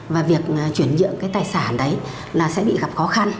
và việc chuyển nhượng tài sản đấy sẽ bị gặp khó khăn